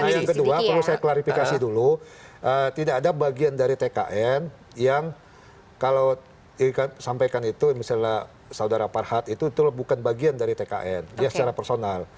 nah yang kedua perlu saya klarifikasi dulu tidak ada bagian dari tkn yang kalau sampaikan itu misalnya saudara parhat itu bukan bagian dari tkn dia secara personal